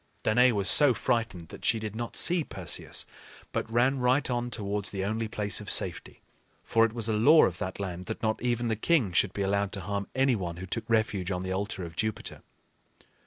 Danaë was so frightened that she did not see Perseus, but ran right on towards the only place of safety. For it was a law of that land that not even the king should be allowed to harm any one who took refuge on the altar of Jupiter.